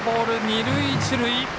二塁一塁。